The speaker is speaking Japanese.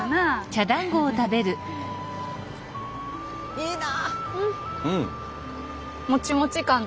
いいな。